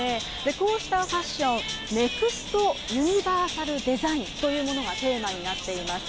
こうしたファッション、ネクスト・ユニバーサル・デザインというものがテーマになっています。